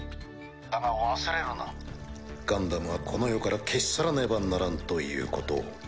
だが忘れるなガンダムはこの世から消し去らねばならんということを。